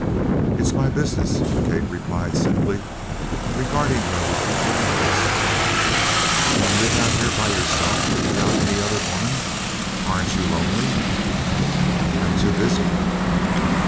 "It's my business," Kate replied simply, regarding her with equal interest. "And you live out here by yourself, without any other woman? Aren't you lonely?" "I'm too busy."